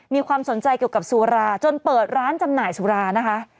มีความสนใจเกี่ยวกับสุราจนเปิดร้านจำหน่ายสุรานะคะ